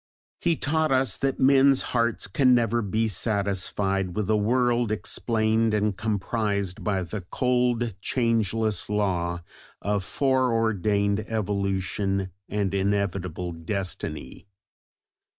He taught us that men's hearts can never be satisfied with a world explained and comprised by the cold "changeless law" of foreordained evolution and inevitable destiny.